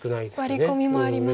ワリコミもありますね。